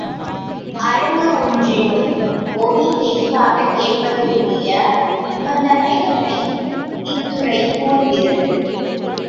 அரங்கு ஒன்றினுள் ஒலி தெளிவாகக் கேட்பதற்குரிய நிபந்தனைகளை இத்துறை கூறுகிறது.